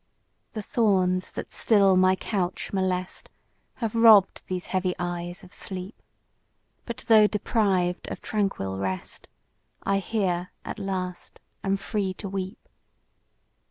The thorns that still my couch molest, Have robb'd these heavy eyes of sleep; But though deprived of tranquil rest, I here at last am free to weep.